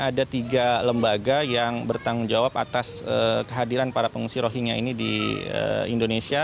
ada tiga lembaga yang bertanggung jawab atas kehadiran para pengungsi rohingya ini di indonesia